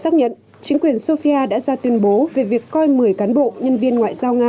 xác nhận chính quyền sofia đã ra tuyên bố về việc coi một mươi cán bộ nhân viên ngoại giao nga